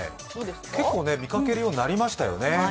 結構見かけるようになりましたよね。